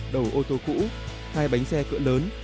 đầu ô tô cũ hai bánh xe cỡ lớn